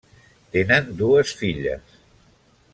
Tenen dues filles.